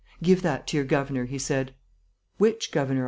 'Give that to your governor,' he said. 'Which governor?'